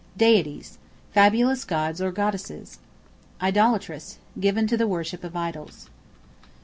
Deities, fabulous gods or goddesses. Idolatrous, given to the worship of idols.